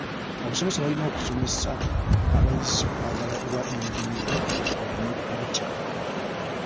Abasomesa balina okusomesa abayizi okwagala obwa yinginiya baleme kubutya.